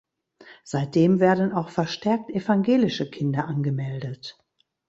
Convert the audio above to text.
Seitdem werden auch verstärkt evangelische Kinder angemeldet.